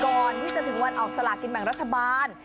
ก่อนที่จะถึงวันออกสลากินแบ่งรัฐบาล